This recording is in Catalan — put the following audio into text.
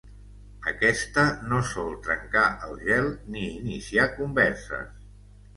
Aquesta no sol trencar el gel ni iniciar converses.